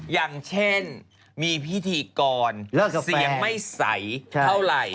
อย่างเช่นมีพิธีกรเสียงไม่ใสเท่าไหร่